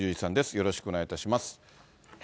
よろしくお願いします。